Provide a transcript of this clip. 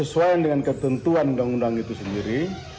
sesuai dengan ketentuan undang undang itu sendiri